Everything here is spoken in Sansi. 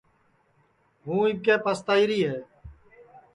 ہُوں اِٻکے پستائیری ہے